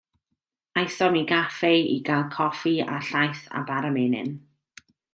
Aethom i gaffe i gael coffi a llaeth a bara menyn.